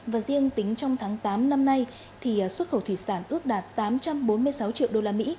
và riêng tính trong tháng tám năm nay thì xuất khẩu thủy sản ước đạt tám trăm bốn mươi sáu triệu usd